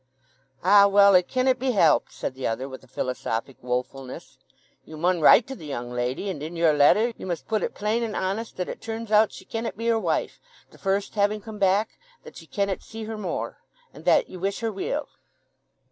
"Ah, well, it cannet be helped!" said the other, with philosophic woefulness. "You mun write to the young lady, and in your letter you must put it plain and honest that it turns out she cannet be your wife, the first having come back; that ye cannet see her more; and that—ye wish her weel."